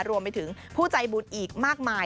รวมไปถึงผู้ใจบุญอีกมากมาย